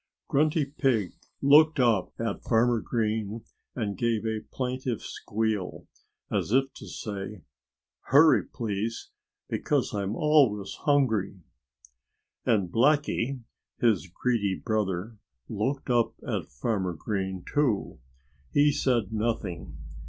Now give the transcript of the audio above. Grunty Pig looked up at Farmer Green and gave a plaintive squeal, as if to say, "Hurry, please! Because I'm always hungry." And Blackie, his greedy brother, looked up at Farmer Green too. He said nothing.